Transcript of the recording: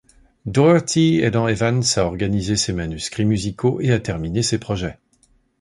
Daugherty aidant Evans à organiser ses manuscrits musicaux et à terminer ses projets.